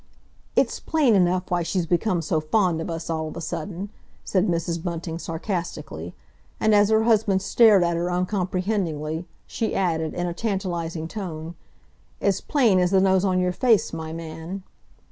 "It's plain enough why she's become so fond of us all of a sudden," said Mrs. Bunting sarcastically. And as her husband stared at her uncomprehendingly, she added, in a tantalising tone, "as plain as the nose on your face, my man."